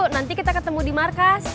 nanti kita ketemu di markas